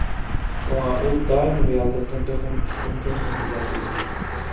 شۇڭا ئۇ دائىم رېئاللىقتىن تېخىمۇ ئۈستۈن، تېخىمۇ گۈزەل بولىدۇ.